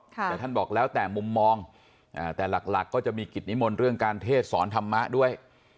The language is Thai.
แต่ท่านบอกแล้วแต่มุมมองแต่หลักก็จะมีกิจนิมนต์เรื่องการเทศสอนธรรมะด้วย